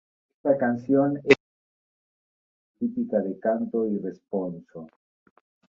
Esta canción era interpretada en la forma típica de canto y responso.